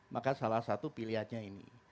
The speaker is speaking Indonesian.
maka salah satu pilihannya ini